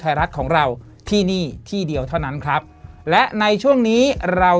ไทยรัฐของเราที่นี่ที่เดียวเท่านั้นครับและในช่วงนี้เรา